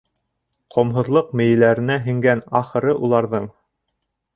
Ҡомһоҙлоҡ мейеләренә һеңгән, ахырыһы, уларҙың?!